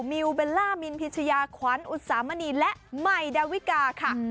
มิวเบลล่ามินพิชยาขวัญอุตสามณีและใหม่ดาวิกาค่ะ